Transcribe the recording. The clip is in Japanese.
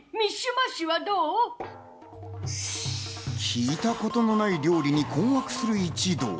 聞いたことのない料理に困惑する一同。